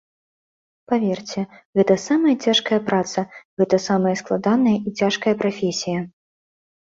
Паверце, гэта самая цяжкая праца, гэта самая складаная і цяжкая прафесія.